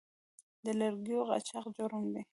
د لرګیو قاچاق جرم دی